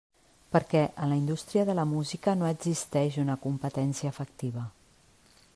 Perquè en la indústria de la música no existeix una competència efectiva.